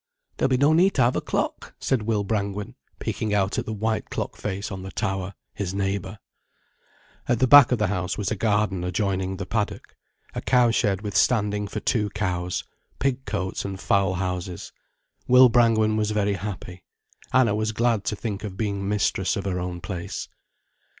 "There'll be no need to have a clock," said Will Brangwen, peeping out at the white clock face on the tower, his neighbour. At the back of the house was a garden adjoining the paddock, a cowshed with standing for two cows, pig cotes and fowl houses. Will Brangwen was very happy. Anna was glad to think of being mistress of her own place.